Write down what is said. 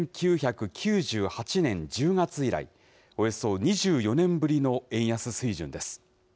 １９９８年１０月以来、およそ２４年ぶりの円安水準です。